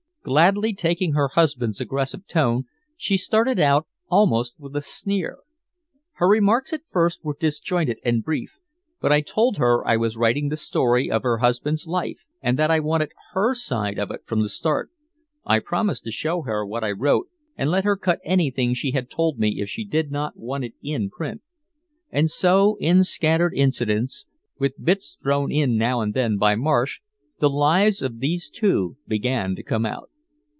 Gladly taking her husband's aggressive tone, she started out almost with a sneer. Her remarks at first were disjointed and brief, but I told her I was writing the story of her husband's life, that I wanted her side of it from the start. I promised to show her what I wrote and let her cut anything she had told me if she did not want it in print. And so in scattered incidents, with bits thrown in now and then by Marsh, the lives of these two began to come out.